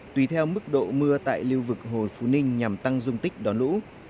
tùy theo mức độ mưa tại lưu vực hồ phú ninh nhằm tăng dung tích đón lũ